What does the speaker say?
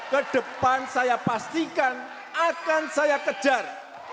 kedepan saya pastikan akan saya kejar